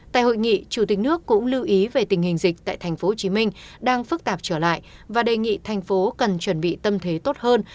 tại hội nghị chủ tịch nước cũng lưu ý về tình hình dịch tại tp hcm đang phức tạp trở lại và đề nghị thành phố cần chuẩn bị tâm thế tốt hơn